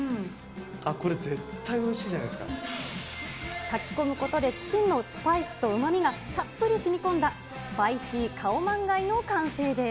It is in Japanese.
これ、絶対においしいじゃないで炊き込むことで、チキンのスパイスとうまみがたっぷりしみこんだスパイシーカオマンガイの完成です。